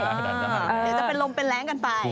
เดี๋ยวจะลงเป็นแล้งกันไป